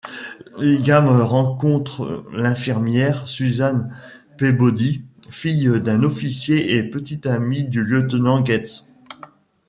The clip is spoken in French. Bingham rencontre l'infirmière Susan Peabody, fille d'un officier et petite amie du lieutenant Gates.